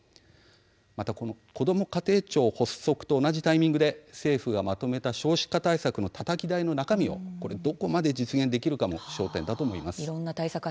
また、こども家庭庁発足と同じタイミングで政府がまとめた少子化対策のたたき台の中身をどこまで実現できるかが焦点だと思います。